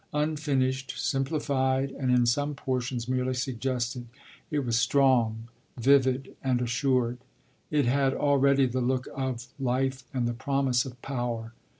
Unfinished, simplified and in some portions merely suggested, it was strong, vivid and assured, it had already the look of life and the promise of power.